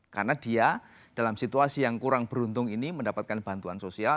karena dia dalam situasi yang kurang beruntung ini mendapatkan bantuan sosial